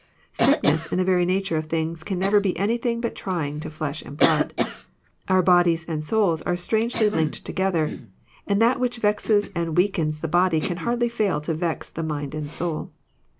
Sickness, in the ^ery nature of things, can never be anything but trying to flesh and blood. Our bodies and souls are strangely linked together, and that which vexes and weakens the body can hardly fail to vex the mind and soul.